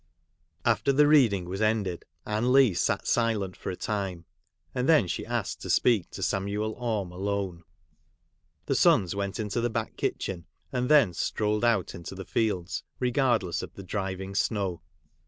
After the reading was ended, Anne Leigh sat silent for a time ; and then she asked to speak to Samuel Orrue alone. The sons went into the back kitchen, and thence strolled out into the fields regardless of the driving snow.